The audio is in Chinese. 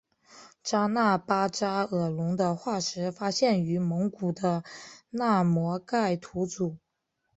扎纳巴扎尔龙的化石发现于蒙古的纳摩盖吐组。